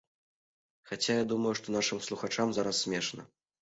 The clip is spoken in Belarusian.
Хаця, я думаю, што нашым слухачам зараз смешна.